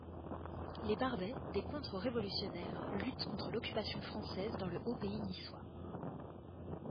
Les Barbets, des contre-révolutionnaires, luttent contre l'occupation française dans le haut-pays niçois.